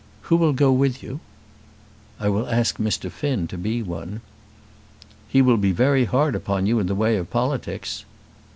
Who will go with you?" "I will ask Mr. Finn to be one." "He will be very hard upon you in the way of politics."